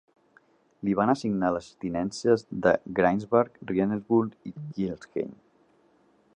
Li van assignar les tinències de Graisbach, Riedenburg i Kelheim.